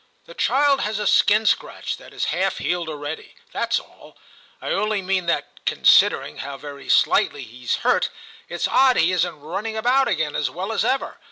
The child has a skin scratch that is half healed already ; that's all. I only mean that, considering how very slightly he's hurt, it's odd he isn't running about again as well as ever.